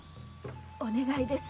お願いです。